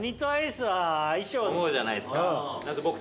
思うじゃないですか。